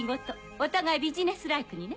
お互いビジネスライクにね